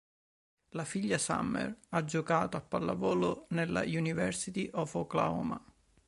La figlia Summer ha giocato a pallavolo nella University of Oklahoma.